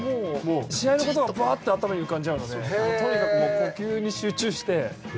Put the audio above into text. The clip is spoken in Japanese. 試合のことがバーッと頭に浮かんじゃうのでとにかく呼吸に集中して。